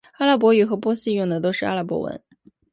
阿拉伯语和波斯语用的都是阿拉伯文。